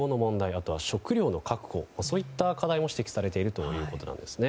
あとは食料の確保といった課題も指摘されているということです。